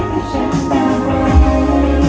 ก็ว่ามีใคร